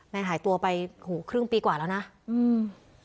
หายตัวไปหูครึ่งปีกว่าแล้วนะอืม